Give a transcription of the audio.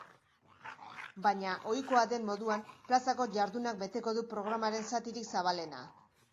Baina, ohikoa den moduan, plazako jardunak beteko du programaren zatirik zabalena.